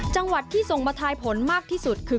จังหวัดที่ส่งมาทายผลมากที่สุดคือ